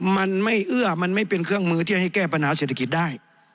มันไม่เอื้อมันไม่เป็นเครื่องมือที่ให้แก้ปัญหาเศรษฐกิจได้